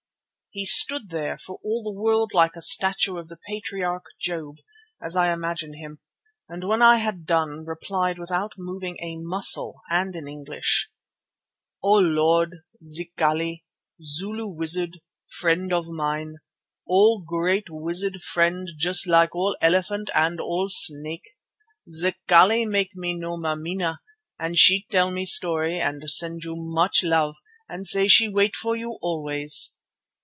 He stood there looking for all the world like a statue of the patriarch Job as I imagine him, and when I had done, replied without moving a muscle and in English: "O Lord, Zikali, Zulu wizard, friend of mine! All great wizard friend just like all elephant and all snake. Zikali make me know Mameena, and she tell me story and send you much love, and say she wait for you always."